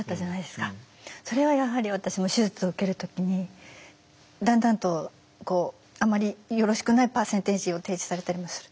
それはやはり私も手術を受ける時にだんだんとこうあまりよろしくないパーセンテージを提示されたりもすると。